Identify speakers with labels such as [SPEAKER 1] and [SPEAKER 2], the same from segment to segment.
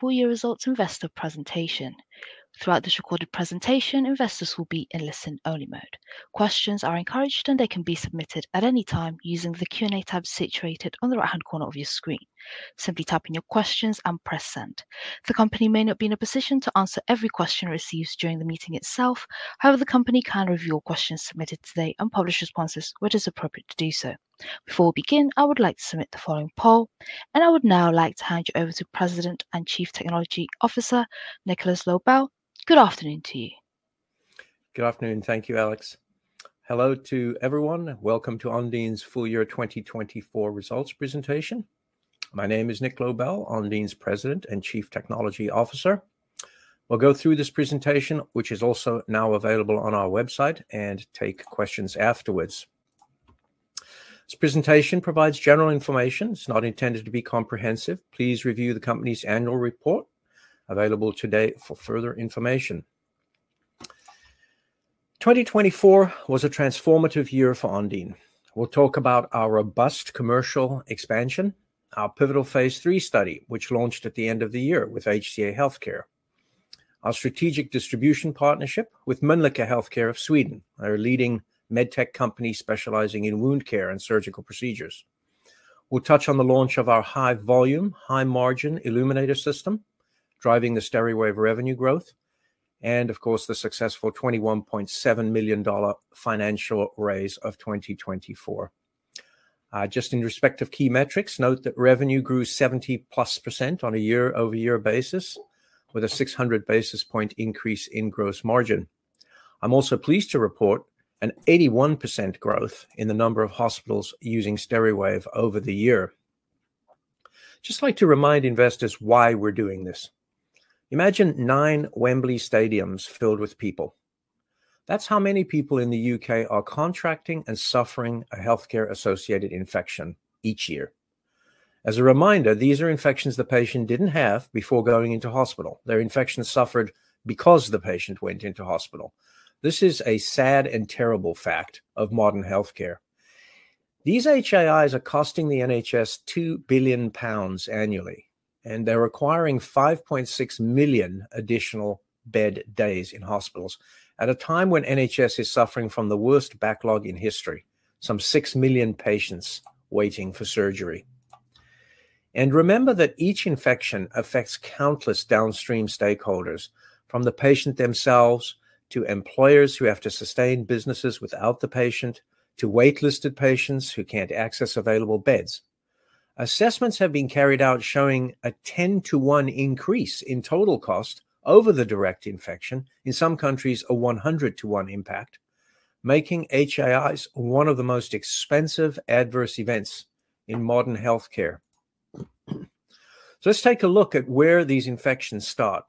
[SPEAKER 1] Four-year results Investor presentation. Throughout this recorded presentation, investors will be in listen-only mode. Questions are encouraged, and they can be submitted at any time using the Q&A tab situated on the right-hand corner of your screen. Simply type in your questions and press send. The company may not be in a position to answer every question received during the meeting itself. However, the company can review your questions submitted today and publish responses where it is appropriate to do so. Before we begin, I would like to submit the following poll, and I would now like to hand you over to President and Chief Technology Officer, Nicolas Loebel. Good afternoon to you.
[SPEAKER 2] Good afternoon. Thank you, Alex. Hello to everyone. Welcome to Ondine's full-year 2024 results presentation. My name is Nic Loebel, Ondine's President and Chief Technology Officer. We'll go through this presentation, which is also now available on our website, and take questions afterwards. This presentation provides general information. It's not intended to be comprehensive. Please review the company's annual report available today for further information. 2024 was a transformative year for Ondine. We'll talk about our robust commercial expansion, our pivotal phase three study, which launched at the end of the year with HCA Healthcare, our strategic distribution partnership with Mölnlycke Health Care of Sweden, our leading medtech company specializing in wound care and surgical procedures. We'll touch on the launch of our high-volume, high-margin Illuminator System, driving the steady wave of revenue growth, and, of course, the successful 21.7 million dollar financial raise of 2024. Just in respect of key metrics, note that revenue grew 70+% on a year-over-year basis, with a 600 basis point increase in gross margin. I'm also pleased to report an 81% growth in the number of hospitals using Steriwave over the year. Just like to remind investors why we're doing this. Imagine nine Wembley Stadiums filled with people. That's how many people in the U.K. are contracting and suffering a Healthcare-Associated Infection each year. As a reminder, these are infections the patient didn't have before going into hospital. Their infections suffered because the patient went into hospital. This is a sad and terrible fact of modern healthcare. These HAIs are costing the NHS 2 billion pounds annually, and they're requiring 5.6 million additional bed days in hospitals at a time when NHS is suffering from the worst backlog in history, some 6 million patients waiting for surgery. Remember that each infection affects countless downstream stakeholders, from the patient themselves to employers who have to sustain businesses without the patient, to waitlisted patients who cannot access available beds. Assessments have been carried out showing a 10-1 increase in total cost over the direct infection, in some countries a 100-1 impact, making HAIs one of the most expensive adverse events in modern healthcare. Let us take a look at where these infections start.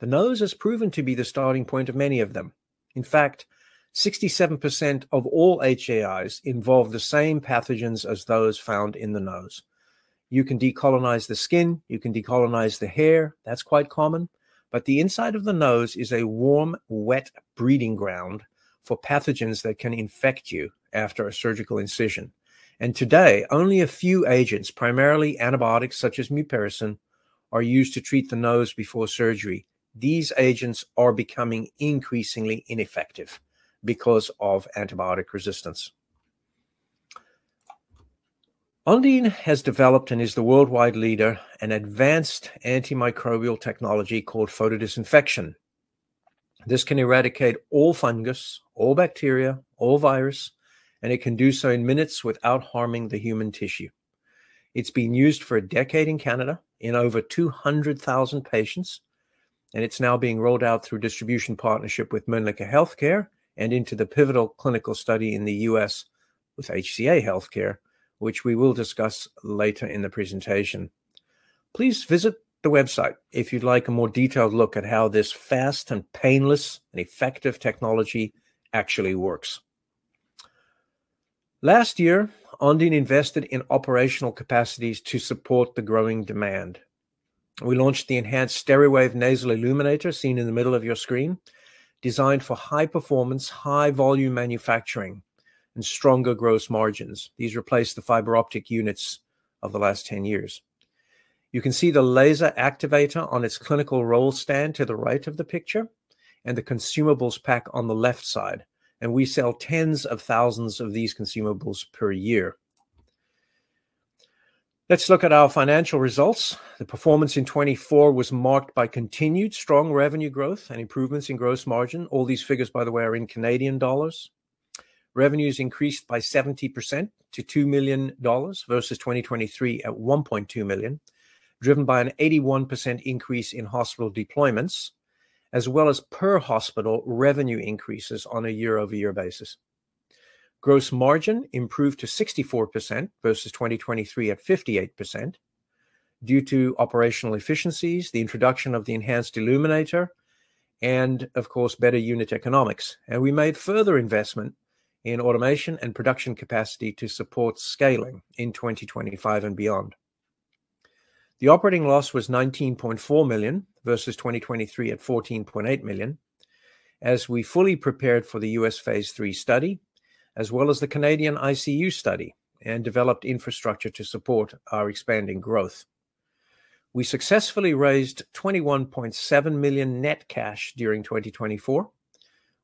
[SPEAKER 2] The nose has proven to be the starting point of many of them. In fact, 67% of all HAIs involve the same pathogens as those found in the nose. You can decolonize the skin. You can decolonize the hair. That is quite common. The inside of the nose is a warm, wet breeding ground for pathogens that can infect you after a surgical incision. Today, only a few agents, primarily antibiotics such as mupirocin, are used to treat the nose before surgery. These agents are becoming increasingly ineffective because of antibiotic resistance. Ondine has developed and is the worldwide leader in advanced antimicrobial technology called photodisinfection. This can eradicate all fungus, all bacteria, all virus, and it can do so in minutes without harming the human tissue. It's been used for a decade in Canada in over 200,000 patients, and it's now being rolled out through distribution partnership with Mölnlycke Health Care and into the pivotal clinical study in the US with HCA Healthcare, which we will discuss later in the presentation. Please visit the website if you'd like a more detailed look at how this fast and painless and effective technology actually works. Last year, Ondine invested in operational capacities to support the growing demand. We launched the enhanced Steriwave nasal illuminator seen in the middle of your screen, designed for high-performance, high-volume manufacturing and stronger gross margins. These replace the fiber optic units of the last 10 years. You can see the laser activator on its clinical roll stand to the right of the picture and the consumables pack on the left side. We sell tens of thousands of these consumables per year. Let's look at our financial results. The performance in 2024 was marked by continued strong revenue growth and improvements in gross margin. All these figures, by the way, are in CAD. Revenues increased by 70% to 2 million dollars versus 2023 at 1.2 million, driven by an 81% increase in hospital deployments, as well as per hospital revenue increases on a year-over-year basis. Gross margin improved to 64% versus 2023 at 58% due to operational efficiencies, the introduction of the enhanced Illuminator, and, of course, better unit economics. We made further investment in automation and production capacity to support scaling in 2025 and beyond. The operating loss was 19.4 million versus 2023 at 14.8 million, as we fully prepared for the U.S. phase three study, as well as the Canadian ICU study, and developed infrastructure to support our expanding growth. We successfully raised 21.7 million net cash during 2024,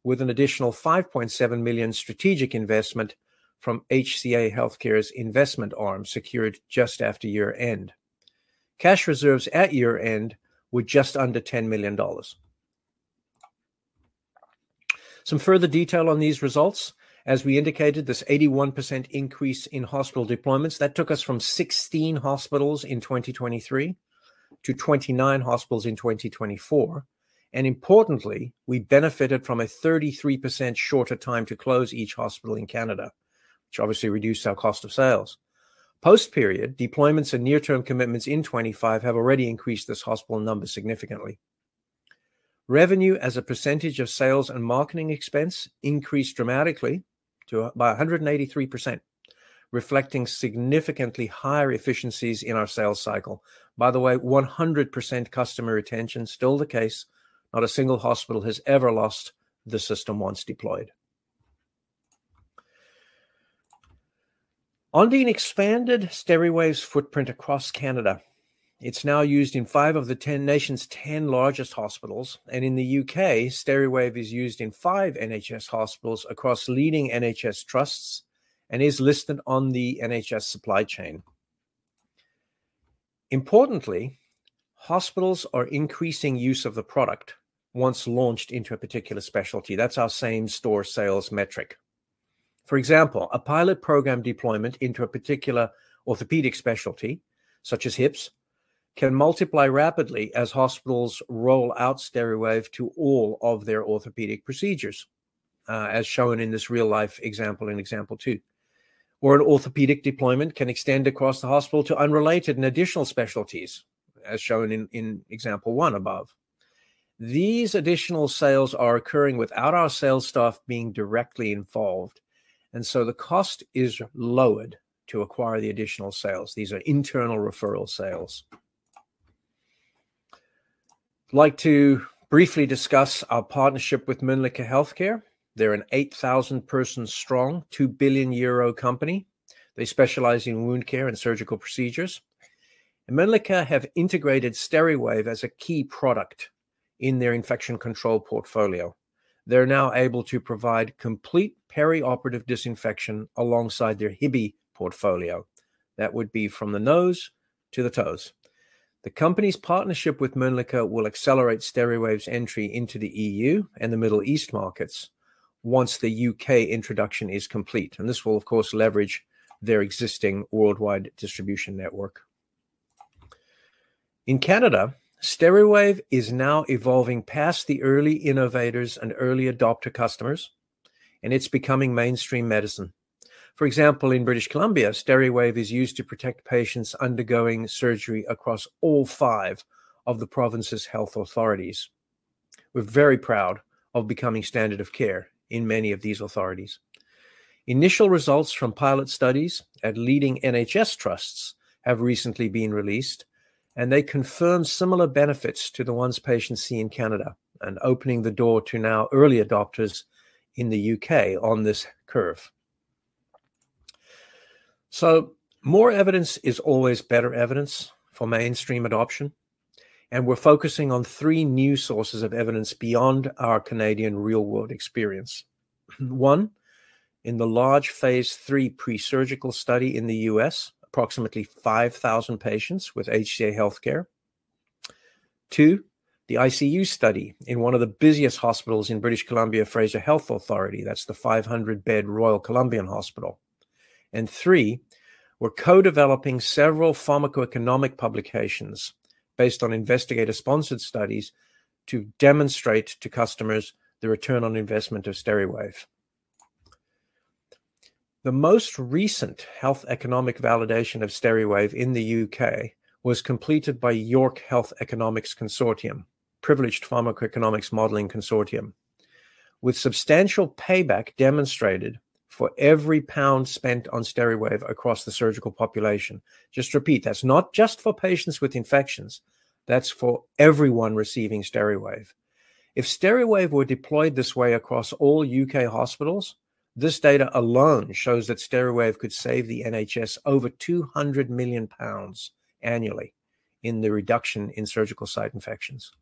[SPEAKER 2] with an additional 5.7 million strategic investment from HCA Healthcare's investment arm secured just after year-end. Cash reserves at year-end were just under $10 million. Some further detail on these results. As we indicated, this 81% increase in hospital deployments took us from 16 hospitals in 2023 to 29 hospitals in 2024. Importantly, we benefited from a 33% shorter time to close each hospital in Canada, which obviously reduced our cost of sales. Post-period deployments and near-term commitments in 2025 have already increased this hospital number significantly. Revenue as a percentage of sales and marketing expense increased dramatically by 183%, reflecting significantly higher efficiencies in our sales cycle. By the way, 100% customer retention is still the case. Not a single hospital has ever lost the system once deployed. Ondine expanded Steriwave's footprint across Canada. It's now used in five of the nation's 10 largest hospitals. In the U.K., Steriwave is used in five NHS hospitals across leading NHS trusts and is listed on the NHS supply chain. Importantly, hospitals are increasing use of the product once launched into a particular specialty. That's our same store sales metric. For example, a pilot program deployment into a particular orthopedic specialty, such as hips, can multiply rapidly as hospitals roll out Steriwave to all of their orthopedic procedures, as shown in this real-life example in example two. An orthopedic deployment can extend across the hospital to unrelated and additional specialties, as shown in example one above. These additional sales are occurring without our sales staff being directly involved. The cost is lowered to acquire the additional sales. These are internal referral sales. I'd like to briefly discuss our partnership with Mölnlycke Health Care. They're an 8,000 person strong, 2 billion euro company. They specialize in wound care and surgical procedures. Mölnlycke have integrated Steriwave as a key product in their infection control portfolio. They're now able to provide complete perioperative disinfection alongside their HIBI Portfolio. That would be from the nose to the toes. The company's partnership with Mölnlycke will accelerate Steriwave's entry into the EU and the Middle East markets once the U.K. introduction is complete. This will, of course, leverage their existing worldwide distribution network. In Canada, Steriwave is now evolving past the early innovators and early adopter customers, and it's becoming mainstream medicine. For example, in British Columbia, Steriwave is used to protect patients undergoing surgery across all five of the province's health authorities. We're very proud of becoming standard of care in many of these authorities. Initial results from pilot studies at leading NHS trusts have recently been released, and they confirm similar benefits to the ones patients see in Canada and opening the door to now early adopters in the U.K. on this curve. More evidence is always better evidence for mainstream adoption. We're focusing on three new sources of evidence beyond our Canadian real-world experience. One, in the large phase three pre-surgical study in the U.S., approximately 5,000 patients with HCA Healthcare. Two, the ICU study in one of the busiest hospitals in British Columbia, Fraser Health Authority. That is the 500-bed Royal Columbian Hospital. Three, we are co-developing several pharmacoeconomic publications based on investigator-sponsored studies to demonstrate to customers the return on investment of Steriwave. The most recent health economic validation of Steriwave in the U.K. was completed by York Health Economics Consortium, Privileged Pharmacoeconomics Modeling Consortium, with substantial payback demonstrated for every pound spent on Steriwave across the surgical population. Just to repeat, that is not just for patients with infections. That is for everyone receiving Steriwave. If Steriwave were deployed this way across all U.K. hospitals, this data alone shows that Steriwave could save the NHS over 200 million pounds annually in the reduction in surgical site infections.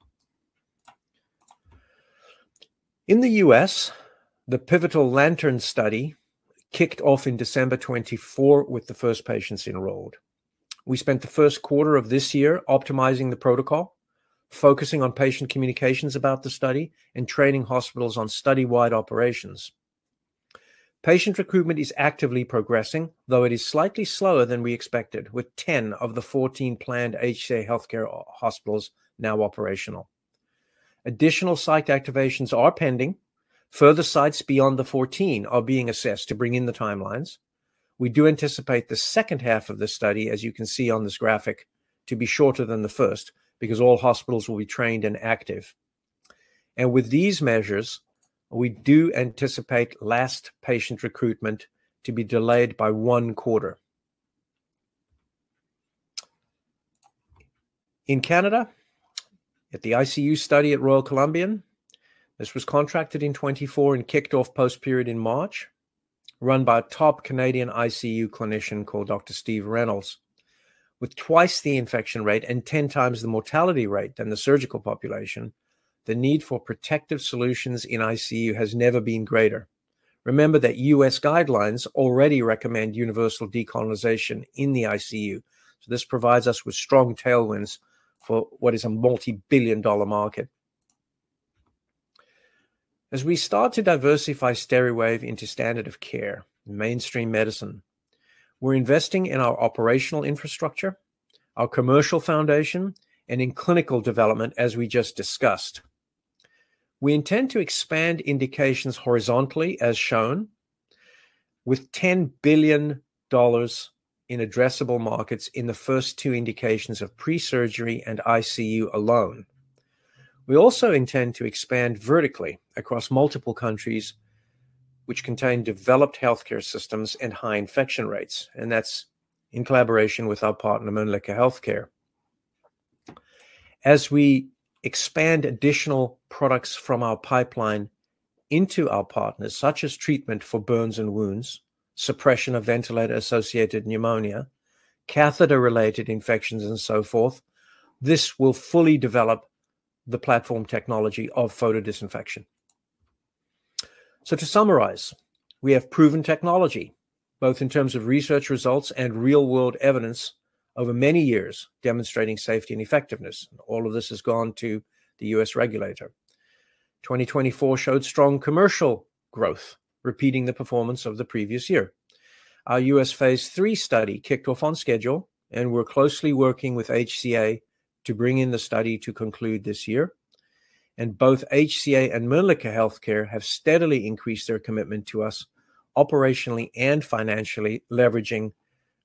[SPEAKER 2] In the U.S., the pivotal Lantern study kicked off in December 2024 with the first patients enrolled. We spent the first quarter of this year optimizing the protocol, focusing on patient communications about the study and training hospitals on study-wide operations. Patient recruitment is actively progressing, though it is slightly slower than we expected, with 10 of the 14 planned HCA Healthcare hospitals now operational. Additional site activations are pending. Further sites beyond the 14 are being assessed to bring in the timelines. We do anticipate the second half of the study, as you can see on this graphic, to be shorter than the first because all hospitals will be trained and active. With these measures, we do anticipate last patient recruitment to be delayed by one quarter. In Canada, at the ICU study at Royal Columbian, this was contracted in 2024 and kicked off post-period in March, run by a top Canadian ICU clinician called Dr. Steve Reynolds. With twice the infection rate and 10 times the mortality rate than the surgical population, the need for protective solutions in ICU has never been greater. Remember that U.S. guidelines already recommend universal decolonization in the ICU. This provides us with strong tailwinds for what is a multi-billion dollar market. As we start to diversify Steriwave into standard of care and mainstream medicine, we're investing in our operational infrastructure, our commercial foundation, and in clinical development, as we just discussed. We intend to expand indications horizontally, as shown, with $10 billion in addressable markets in the first two indications of pre-surgery and ICU alone. We also intend to expand vertically across multiple countries, which contain developed healthcare systems and high infection rates. That is in collaboration with our partner, Mölnlycke Health Care. As we expand additional products from our pipeline into our partners, such as treatment for burns and wounds, suppression of ventilator-associated pneumonia, catheter-related infections, and so forth, this will fully develop the platform technology of photodisinfection. To summarize, we have proven technology, both in terms of research results and real-world evidence over many years, demonstrating safety and effectiveness. All of this has gone to the U.S. regulator. 2024 showed strong commercial growth, repeating the performance of the previous year. Our U.S. phase three study kicked off on schedule, and we're closely working with HCA Healthcare to bring in the study to conclude this year. Both HCA Healthcare and Mölnlycke Health Care have steadily increased their commitment to us operationally and financially, leveraging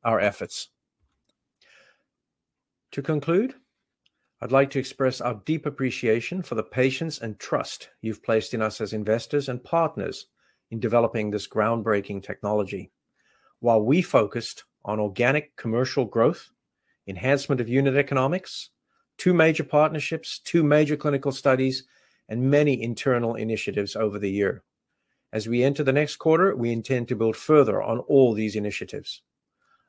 [SPEAKER 2] our efforts. To conclude, I'd like to express our deep appreciation for the patience and trust you've placed in us as investors and partners in developing this groundbreaking technology. While we focused on organic commercial growth, enhancement of unit economics, two major partnerships, two major clinical studies, and many internal initiatives over the year. As we enter the next quarter, we intend to build further on all these initiatives.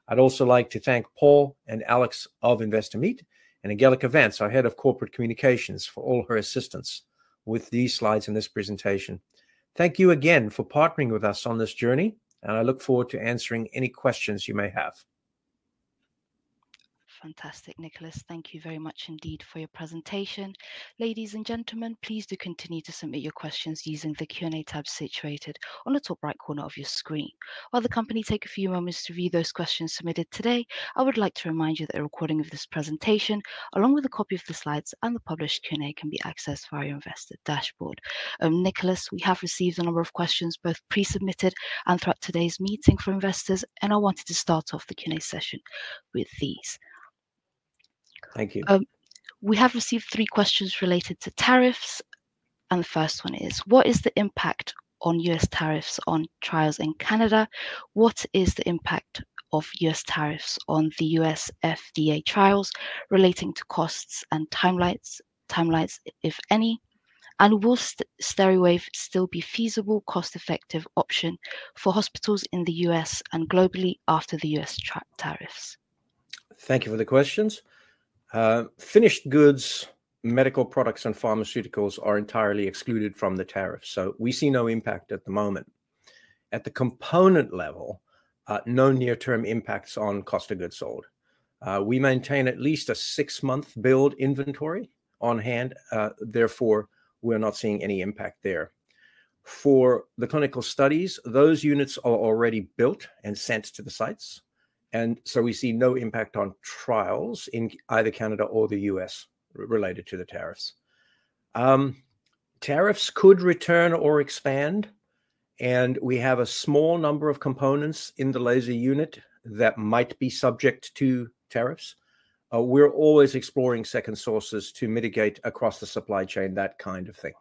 [SPEAKER 2] I'd also like to thank Paul and Alex of Investor Meet and Angelica Vance, our Head of Corporate Communications, for all her assistance with these slides in this presentation. Thank you again for partnering with us on this journey, and I look forward to answering any questions you may have.
[SPEAKER 1] Fantastic, Nicolas. Thank you very much indeed for your presentation. Ladies and gentlemen, please do continue to submit your questions using the Q&A tab situated on the top right corner of your screen. While the company takes a few moments to view those questions submitted today, I would like to remind you that a recording of this presentation, along with a copy of the slides and the published Q&A, can be accessed via your investor dashboard. Nicolas, we have received a number of questions, both pre-submitted and throughout today's meeting for investors, and I wanted to start off the Q&A session with these. Thank you. We have received three questions related to tariffs, and the first one is, what is the impact on U.S. tariffs on trials in Canada? What is the impact of U.S. tariffs on the U.S. FDA trials relating to costs and timelines, if any? Will Steriwave still be a feasible, cost-effective option for hospitals in the U.S. and globally after the U.S. tariffs?
[SPEAKER 2] Thank you for the questions. Finished goods, medical products, and pharmaceuticals are entirely excluded from the tariffs, so we see no impact at the moment. At the component level, no near-term impacts on cost of goods sold. We maintain at least a six-month build inventory on hand. Therefore, we're not seeing any impact there. For the clinical studies, those units are already built and sent to the sites, and so we see no impact on trials in either Canada or the U.S. related to the tariffs. Tariffs could return or expand, and we have a small number of components in the laser unit that might be subject to tariffs. We're always exploring second sources to mitigate across the supply chain, that kind of thing.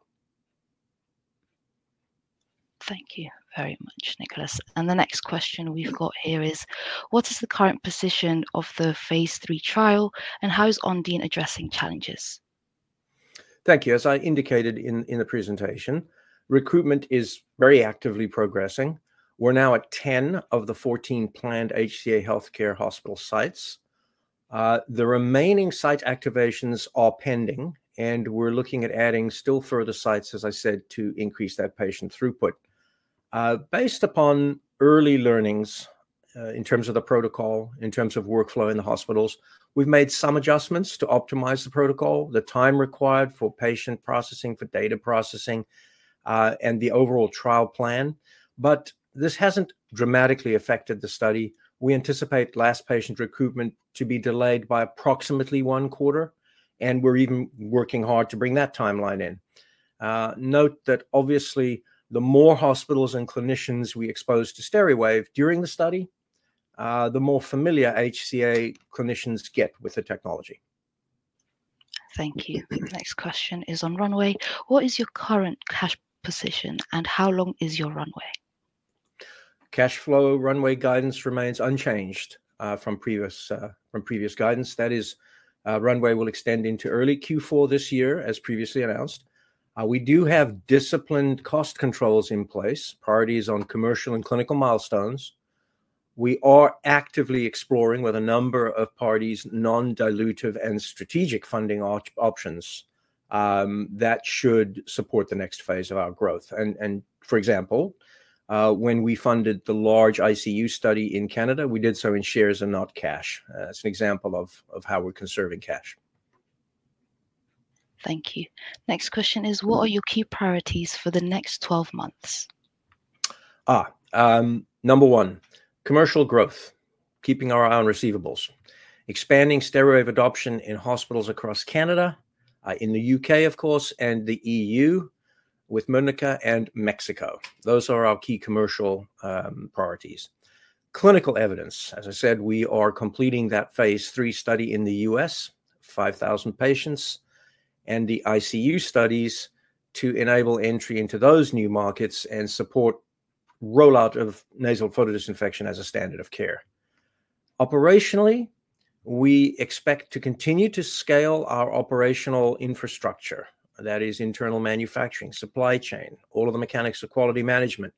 [SPEAKER 1] Thank you very much, Nicolas. The next question we've got here is, what is the current position of the phase three trial, and how is Ondine addressing challenges?
[SPEAKER 2] Thank you. As I indicated in the presentation, recruitment is very actively progressing. We're now at 10 of the 14 planned HCA Healthcare hospital sites. The remaining site activations are pending, and we're looking at adding still further sites, as I said, to increase that patient throughput. Based upon early learnings in terms of the protocol, in terms of workflow in the hospitals, we've made some adjustments to optimize the protocol, the time required for patient processing, for data processing, and the overall trial plan. This hasn't dramatically affected the study. We anticipate last patient recruitment to be delayed by approximately one quarter, and we're even working hard to bring that timeline in. Note that obviously, the more hospitals and clinicians we expose to Steriwave during the study, the more familiar HCA clinicians get with the technology.
[SPEAKER 1] Thank you. The next question is on runway. What is your current cash position, and how long is your runway?
[SPEAKER 2] Cash flow runway guidance remains unchanged from previous guidance. That is, runway will extend into early Q4 this year, as previously announced. We do have disciplined cost controls in place, priorities on commercial and clinical milestones. We are actively exploring with a number of parties non-dilutive and strategic funding options that should support the next phase of our growth. For example, when we funded the large ICU study in Canada, we did so in shares and not cash. That is an example of how we're conserving cash.
[SPEAKER 1] Thank you. Next question is, what are your key priorities for the next 12 months?
[SPEAKER 2] Number one, commercial growth, keeping our eye on receivables, expanding Steriwave adoption in hospitals across Canada, in the U.K., of course, and the EU with Mölnlycke and Mexico. Those are our key commercial priorities. Clinical evidence, as I said, we are completing that phase three study in the U.S., 5,000 patients, and the ICU studies to enable entry into those new markets and support rollout of nasal photodisinfection as a standard of care. Operationally, we expect to continue to scale our operational infrastructure. That is internal manufacturing, supply chain, all of the mechanics of quality management.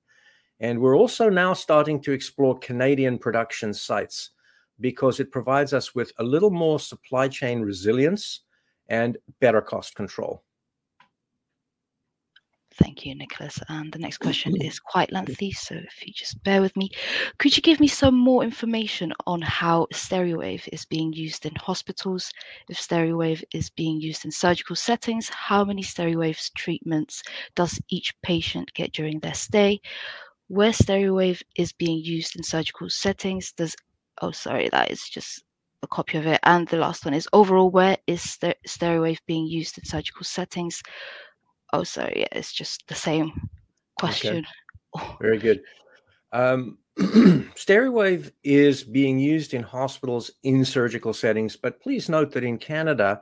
[SPEAKER 2] We are also now starting to explore Canadian production sites because it provides us with a little more supply chain resilience and better cost control.
[SPEAKER 1] Thank you, Nicolas. The next question is quite lengthy, so if you just bear with me. Could you give me some more information on how Steriwave is being used in hospitals? If Steriwave is being used in surgical settings, how many Steriwave treatments does each patient get during their stay? Where Steriwave is being used in surgical settings? Oh, sorry, that is just a copy of it. The last one is, overall, where is Steriwave being used in surgical settings? Oh, sorry, it's just the same question.
[SPEAKER 2] Very good. Steriwave is being used in hospitals in surgical settings, but please note that in Canada,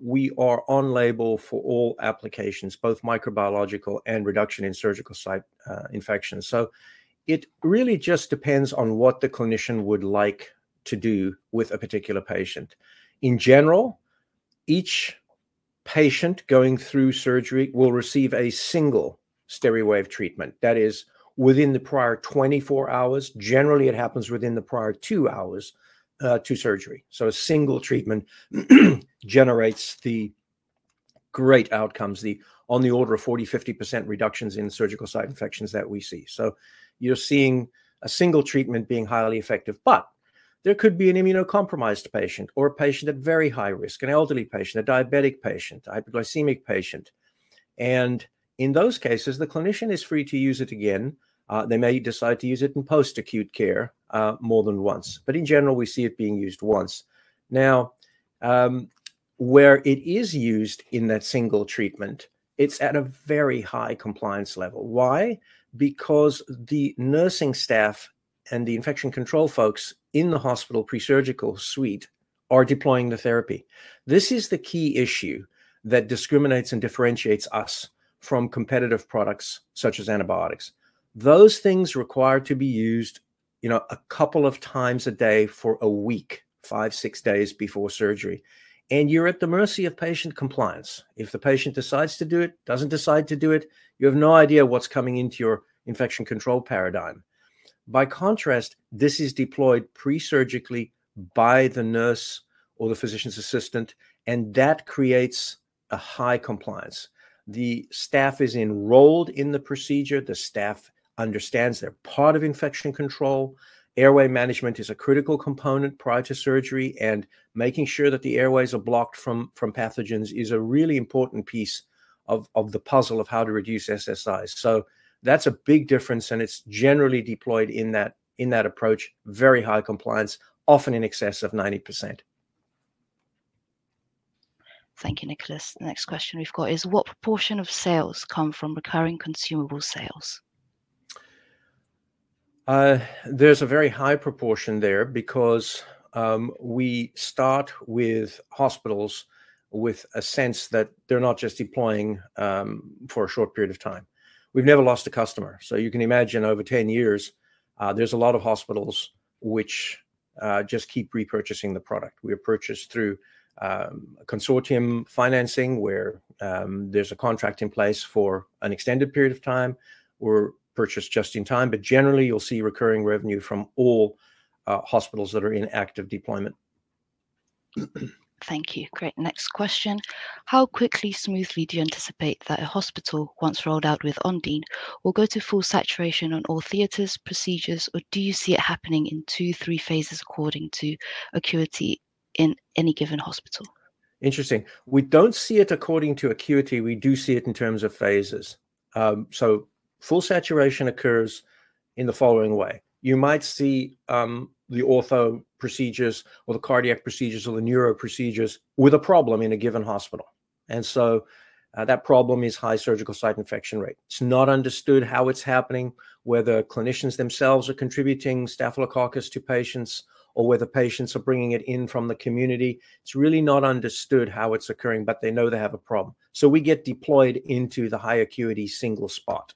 [SPEAKER 2] we are on label for all applications, both microbiological and reduction in surgical site infections. It really just depends on what the clinician would like to do with a particular patient. In general, each patient going through surgery will receive a single Steriwave treatment. That is, within the prior 24 hours, generally it happens within the prior two hours to surgery. A single treatment generates the great outcomes, on the order of 40-50% reductions in surgical site infections that we see. You're seeing a single treatment being highly effective, but there could be an immunocompromised patient or a patient at very high risk, an elderly patient, a diabetic patient, a hypoglycemic patient. In those cases, the clinician is free to use it again. They may decide to use it in post-acute care more than once. In general, we see it being used once. Where it is used in that single treatment, it's at a very high compliance level. Why? Because the nursing staff and the infection control folks in the hospital pre-surgical suite are deploying the therapy. This is the key issue that discriminates and differentiates us from competitive products such as antibiotics. Those things require to be used a couple of times a day for a week, five, six days before surgery. You're at the mercy of patient compliance. If the patient decides to do it, doesn't decide to do it, you have no idea what's coming into your infection control paradigm. By contrast, this is deployed pre-surgically by the nurse or the physician's assistant, and that creates a high compliance. The staff is enrolled in the procedure. The staff understands they're part of infection control. Airway management is a critical component prior to surgery, and making sure that the airways are blocked from pathogens is a really important piece of the puzzle of how to reduce SSIs. That's a big difference, and it's generally deployed in that approach, very high compliance, often in excess of 90%.
[SPEAKER 1] Thank you, Nicolas. The next question we've got is, what proportion of sales come from recurring consumable sales?
[SPEAKER 2] There's a very high proportion there because we start with hospitals with a sense that they're not just deploying for a short period of time. We've never lost a customer. You can imagine over 10 years, there's a lot of hospitals which just keep repurchasing the product. We are purchased through consortium financing where there's a contract in place for an extended period of time. We're purchased just in time, but generally, you'll see recurring revenue from all hospitals that are in active deployment.
[SPEAKER 1] Thank you. Great. Next question. How quickly, smoothly do you anticipate that a hospital, once rolled out with Ondine, will go to full saturation on all theatres, procedures, or do you see it happening in two, three phases according to acuity in any given hospital?
[SPEAKER 2] Interesting. We do not see it according to acuity. We do see it in terms of phases. Full saturation occurs in the following way. You might see the ortho procedures or the cardiac procedures or the neuro procedures with a problem in a given hospital. That problem is high surgical site infection rate. It is not understood how it is happening, whether clinicians themselves are contributing Staphylococcus to patients or whether patients are bringing it in from the community. It is really not understood how it is occurring, but they know they have a problem. We get deployed into the high acuity single spot.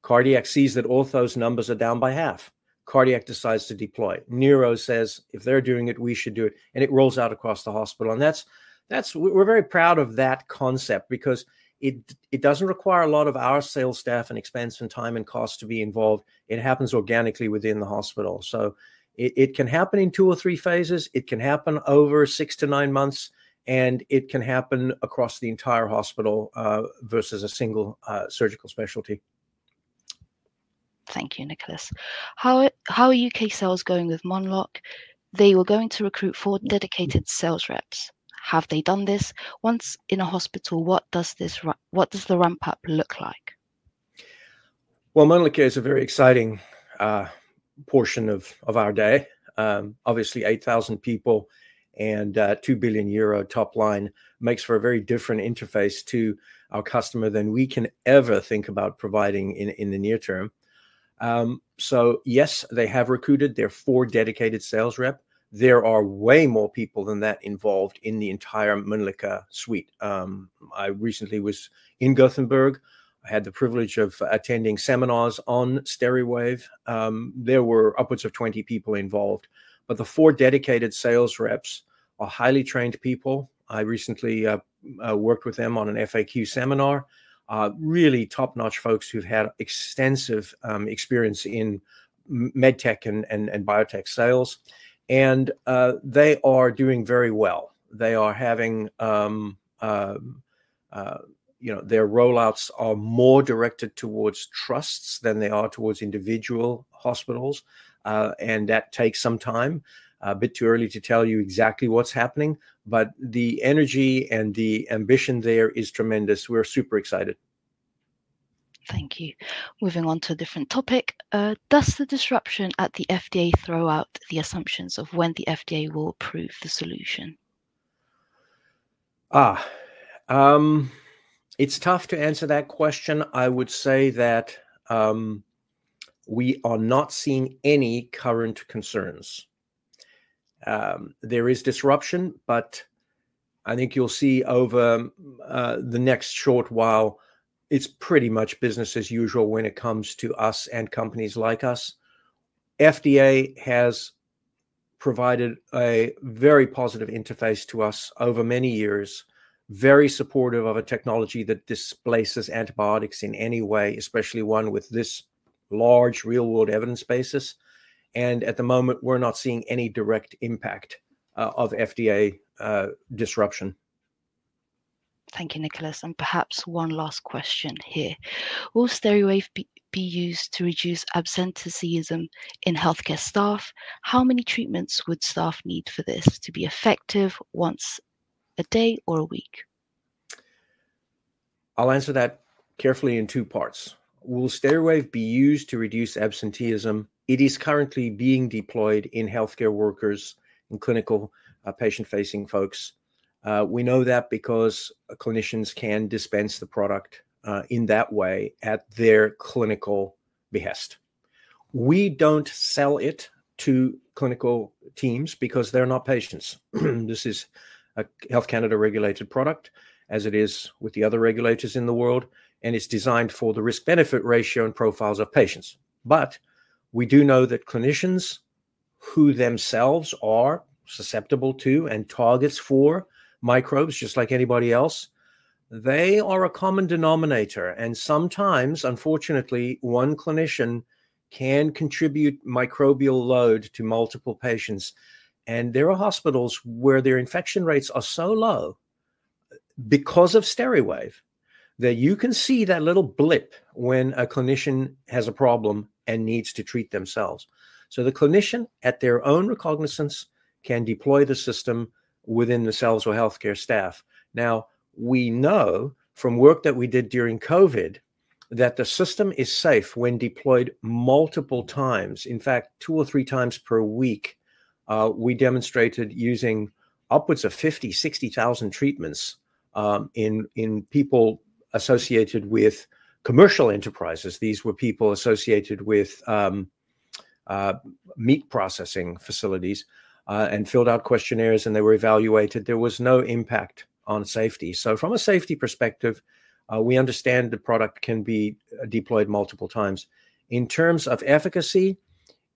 [SPEAKER 2] Cardiac sees that ortho's numbers are down by half. Cardiac decides to deploy. Neuro says, "If they're doing it, we should do it." It rolls out across the hospital. We are very proud of that concept because it does not require a lot of our sales staff and expense and time and cost to be involved. It happens organically within the hospital. It can happen in two or three phases. It can happen over six to nine months, and it can happen across the entire hospital versus a single surgical specialty.
[SPEAKER 1] Thank you, Nicolas. How are U.K. sales going with Mölnlycke? They were going to recruit four dedicated sales reps. Have they done this? Once in a hospital, what does the ramp-up look like?
[SPEAKER 2] Mölnlycke is a very exciting portion of our day. Obviously, 8,000 people and 2 billion euro top line makes for a very different interface to our customer than we can ever think about providing in the near term. Yes, they have recruited. There are four dedicated sales reps. There are way more people than that involved in the entire Mölnlycke suite. I recently was in Gothenburg. I had the privilege of attending seminars on Steriwave. There were upwards of 20 people involved, but the four dedicated sales reps are highly trained people. I recently worked with them on an FAQ seminar. Really top-notch folks who've had extensive experience in med tech and biotech sales. They are doing very well. Their rollouts are more directed towards trusts than they are towards individual hospitals. That takes some time. A bit too early to tell you exactly what's happening, but the energy and the ambition there is tremendous. We're super excited.
[SPEAKER 1] Thank you. Moving on to a different topic. Does the disruption at the FDA throw out the assumptions of when the FDA will approve the solution?
[SPEAKER 2] It's tough to answer that question. I would say that we are not seeing any current concerns. There is disruption, but I think you'll see over the next short while, it's pretty much business as usual when it comes to us and companies like us. FDA has provided a very positive interface to us over many years, very supportive of a technology that displaces antibiotics in any way, especially one with this large real-world evidence basis. At the moment, we're not seeing any direct impact of FDA disruption.
[SPEAKER 1] Thank you, Nicolas. Perhaps one last question here. Will Steriwave be used to reduce absenteeism in healthcare staff? How many treatments would staff need for this to be effective, once a day or a week?
[SPEAKER 2] I'll answer that carefully in two parts. Will Steriwave be used to reduce absenteeism? It is currently being deployed in healthcare workers and clinical patient-facing folks. We know that because clinicians can dispense the product in that way at their clinical behest. We do not sell it to clinical teams because they are not patients. This is a Health Canada-regulated product, as it is with the other regulators in the world, and it is designed for the risk-benefit ratio and profiles of patients. We do know that clinicians, who themselves are susceptible to and targets for microbes just like anybody else, they are a common denominator. Sometimes, unfortunately, one clinician can contribute microbial load to multiple patients. There are hospitals where their infection rates are so low because of Steriwave that you can see that little blip when a clinician has a problem and needs to treat themselves. The clinician, at their own recognizance, can deploy the system within the sales or healthcare staff. Now, we know from work that we did during COVID that the system is safe when deployed multiple times. In fact, two or three times per week, we demonstrated using upwards of 50,000-60,000 treatments in people associated with commercial enterprises. These were people associated with meat processing facilities and filled out questionnaires, and they were evaluated. There was no impact on safety. From a safety perspective, we understand the product can be deployed multiple times. In terms of efficacy,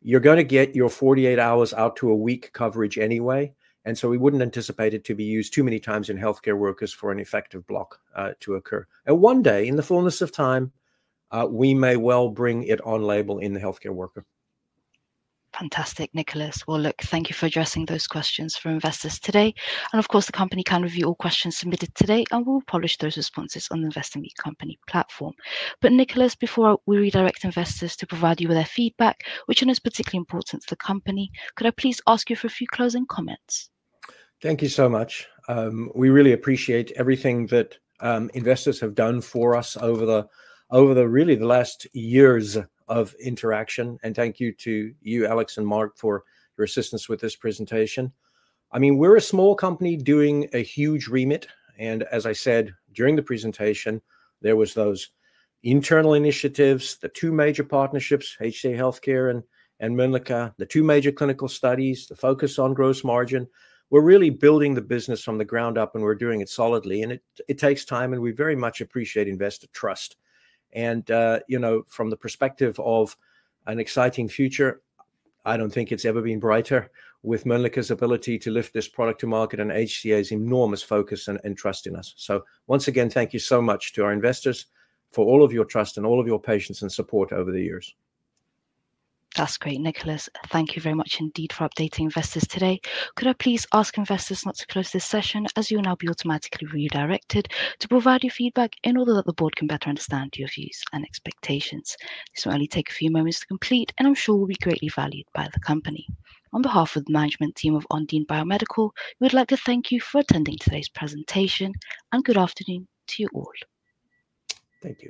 [SPEAKER 2] you're going to get your 48 hours out to a week coverage anyway. We would not anticipate it to be used too many times in healthcare workers for an effective block to occur. One day, in the fullness of time, we may well bring it on label in the healthcare worker.
[SPEAKER 1] Fantastic, Nicolas. Thank you for addressing those questions for investors today. Of course, the company can review all questions submitted today, and we will publish those responses on the Investing Beat Company platform. Nicolas, before we redirect investors to provide you with their feedback, which is particularly important to the company, could I please ask you for a few closing comments?
[SPEAKER 2] Thank you so much. We really appreciate everything that investors have done for us over the last years of interaction. Thank you to you, Alex and Marc, for your assistance with this presentation. I mean, we are a small company doing a huge remit. As I said during the presentation, there were those internal initiatives, the two major partnerships, HCA Healthcare and Mölnlycke, the two major clinical studies, the focus on gross margin. We're really building the business from the ground up, and we're doing it solidly. It takes time, and we very much appreciate investor trust. From the perspective of an exciting future, I do not think it has ever been brighter with Mölnlycke's ability to lift this product to market and HCA's enormous focus and trust in us. Once again, thank you so much to our investors for all of your trust and all of your patience and support over the years.
[SPEAKER 1] That's great, Nicolas. Thank you very much indeed for updating investors today. Could I please ask investors not to close this session as you will now be automatically redirected to provide your feedback in order that the board can better understand your views and expectations? This will only take a few moments to complete, and I'm sure will be greatly valued by the company. On behalf of the management team of Ondine Biomedical, we would like to thank you for attending today's presentation, and good afternoon to you all.
[SPEAKER 2] Thank you.